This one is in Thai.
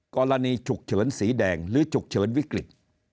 กรณีฉุกเฉินสีแดงหรือฉุกเฉินวิกฤต